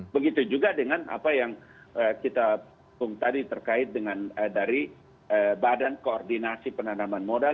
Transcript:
begitu juga dengan apa yang kita tunggu tadi terkait dengan dari badan koordinasi penanaman modal